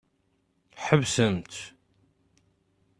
Ḥebsem-t.